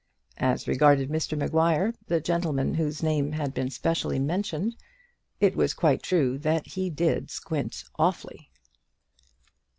As regarded Mr Maguire, the gentleman whose name had been specially mentioned, it was quite true that he did squint awfully.